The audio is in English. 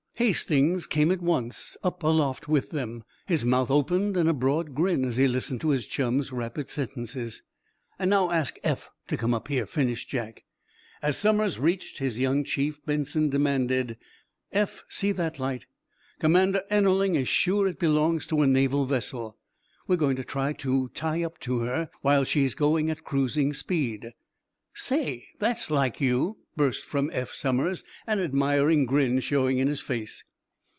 Hastings came at once up aloft with them. His mouth opened in a broad grin as he listened to his chum's rapid sentences. "And now ask Eph to come up here," finished Jack. As Somers reached his young chief Benson demanded: "Eph, see that light? Commander Ennerling is sure it belongs to a Naval vessel. We're going to try to tie up to her while she's going at cruising speed." "Say, that's like you!" burst from Eph Somers, an admiring grin showing in his face.